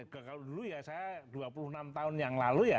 kalau dulu ya saya dua puluh enam tahun yang lalu ya